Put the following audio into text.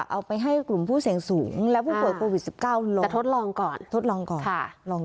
เอาไปให้กลุ่มผู้เสี่ยงสูงและผู้ป่วยโควิด๑๙ลงทดลองก่อนทดลองก่อน